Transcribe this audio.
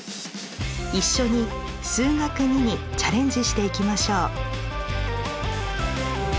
一緒に「数学Ⅱ」にチャレンジしていきましょう。